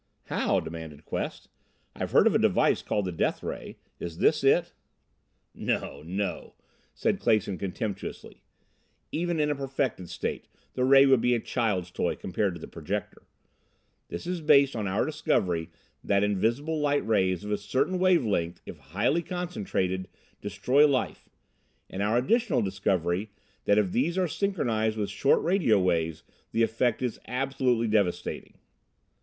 "How?" demanded Quest "I've heard of a device called the Death Ray. Is this it?" "No, no," said Clason contemptuously. "Even in a perfected state the Ray would be a child's toy compared to the Projector. This is based on our discovery that invisible light rays of a certain wave length, if highly concentrated, destroy life and our additional discovery that if these are synchronized with short radio waves the effect is absolutely devastating.